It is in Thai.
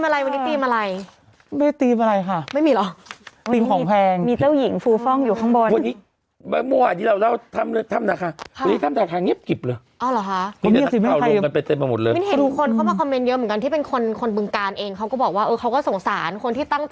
แล้ววันที่ห้ามพอดีหลายคนก็เลยอยากจะเดินทางไปวันนั้น